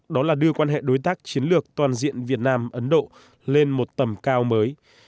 đó là đưa quan hệ đối tác chiến lược toàn diện việt nam ấn độ lên một tầm cao mới